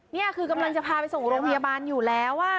นี่คือกำลังจะพาไปส่งโรงพยาบาลอยู่แล้ว